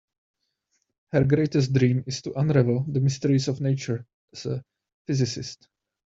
Her greatest dream is to unravel the mysteries of nature as a physicist.